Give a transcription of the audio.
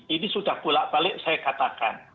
ini sudah bolak balik saya katakan